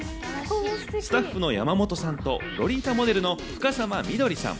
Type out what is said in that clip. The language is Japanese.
スタッフの山本さんとロリータモデルの深澤翠さん。